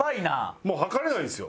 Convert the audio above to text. もう測れないんですよ。